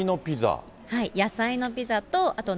野菜のピザ。